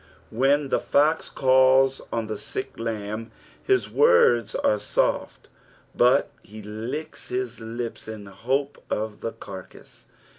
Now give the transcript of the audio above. When the fox calls on the sick lamb his words are soft, but he licks his lips in hope of the carcass.